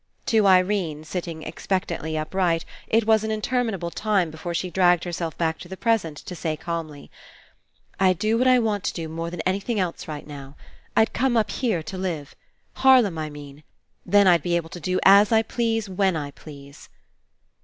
To Irene, sitting ex pectantly upright, it was an interminable time before she dragged herself back to the present to say calmly: 'Td do what I want to do more than anything else right now. I'd come up here to live. Harlem, I mean. Then I'd be able to do as I please, when I please."